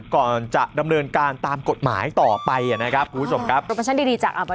ก่อนจะดำเนินการตามกฎหมายต่อไปนะครับคุณผู้ชมครับ